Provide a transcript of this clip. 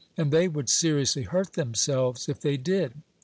And they would seriously hurt themselves if they did.